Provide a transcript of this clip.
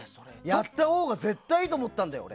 やったほうが絶対いいと思ったんだよ、俺。